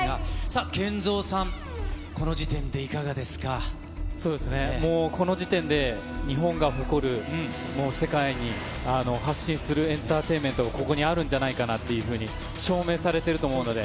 さあ、ＫＥＮＺＯさん、そうですね、もうこの時点で、日本が誇る、もう世界に発信するエンターテインメントがここにあるんじゃないかなっていうふうに証明されてると思うので。